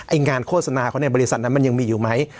งานโฆษณาเขาเนี่ยบริษัทนั้นมันยังมีอยู่ไหม